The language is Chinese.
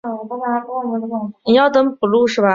粮仓明器是其中一种汉代流行的明器。